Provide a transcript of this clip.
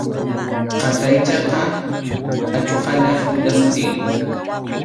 Qataychaqa achuqallap llulla sutinmi.